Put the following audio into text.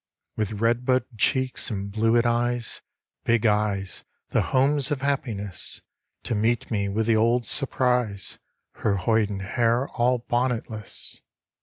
With redbud cheeks and bluet eyes, Big eyes, the homes of happiness, To meet me with the old surprise, Her hoiden hair all bonnetless.